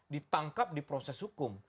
ditangkap di proses hukum